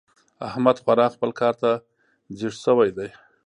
احمد خورا خپل کار ته ځيږ شوی دی.